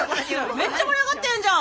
めっちゃ盛り上がってんじゃん。